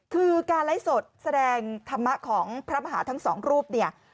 คือการไลฟ์สดแสดงธรรมะของพระมหาภาพทั้ง๒รูป